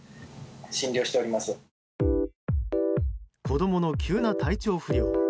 子供の急な体調不良。